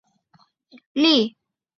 这里原本正式名称是布罗姆利。